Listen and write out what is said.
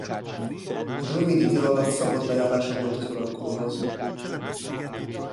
Rövid idő alatt szabad bejárása volt az uralkodóhoz.